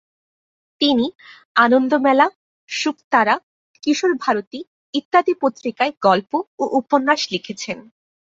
তিনি আনন্দমেলা, শুকতারা, কিশোর ভারতী ইত্যাদি পত্রিকায় গল্প ও উপন্যাস লিখেছেন।